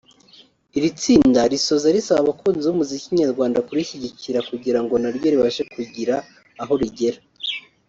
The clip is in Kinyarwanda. Iri tsinda risoza risaba abakunzi b’umuziki nyarwanda kurishyigikira kugirango naryo ribashe kugira aho rigera